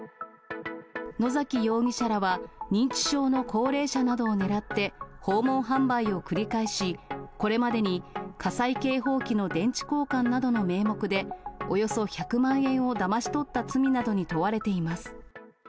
野崎容疑者らは認知症の高齢者などを狙って訪問販売を繰り返し、これまでに火災警報器の電池交換などの名目で、およそ１００万円をだまし取った罪などに問われています。